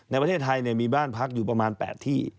ในประเทศไทยมีบ้านพักอยู่ประมาณ๘ที่